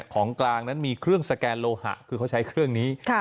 ของกลางนั้นมีเครื่องสแกนโลหะคือเขาใช้เครื่องนี้